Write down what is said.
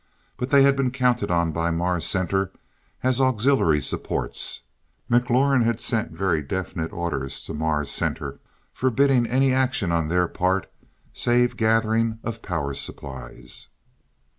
But they had been counted on by Mars Center as auxiliary supports. McLaurin had sent very definite orders to Mars Center forbidding any action on their part, save gathering of power supplies.